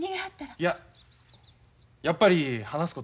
いややっぱり話すことにするよ。